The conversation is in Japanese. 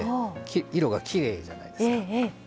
色がきれいじゃないですか。